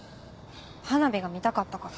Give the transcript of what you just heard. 花火が見たかったから。